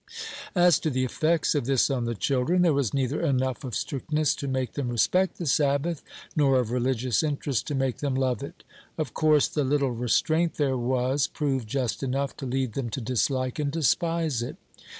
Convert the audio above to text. As to the effects of this on the children, there was neither enough of strictness to make them respect the Sabbath, nor of religions interest to make them love it; of course, the little restraint there was proved just enough to lead them to dislike and despise it.